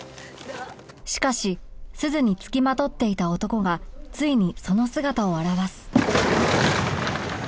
しかし鈴に付きまとっていた男がついにその姿を現す